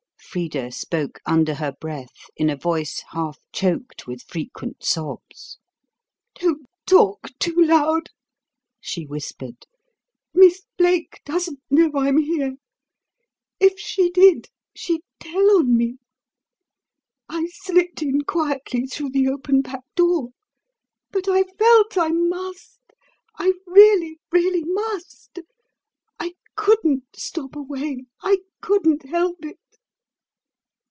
Frida spoke under her breath, in a voice half choked with frequent sobs. "Don't talk too loud," she whispered. "Miss Blake doesn't know I'm here. If she did, she'd tell on me. I slipped in quietly through the open back door. But I felt I MUST I really, really MUST. I COULDN'T stop away; I COULDN'T help it."